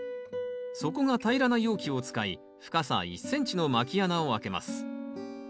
底が平らな容器を使い深さ１ｃｍのまき穴を開けます。